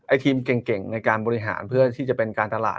ทีมเก่งในการบริหารเพื่อที่จะเป็นการตลาด